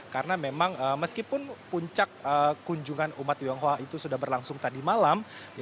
karena memang meskipun puncak kunjungan umat tionghoa itu sudah berlangsung tadi malam